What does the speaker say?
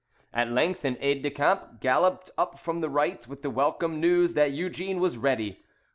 At length an aide de camp galloped up from the right with the welcome news that Eugene was ready.